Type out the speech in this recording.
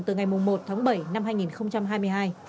từ ngày một tháng bảy năm hai nghìn hai mươi hai